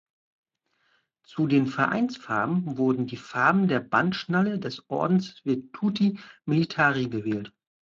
Zu den Vereinsfarben wurden die Farben der Bandschnalle des Ordens Virtuti Militari gewählt.